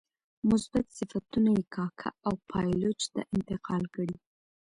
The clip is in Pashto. مثبت صفتونه یې کاکه او پایلوچ ته انتقال کړي.